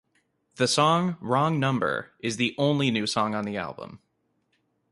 The song "Wrong Number" is the only new song on the album.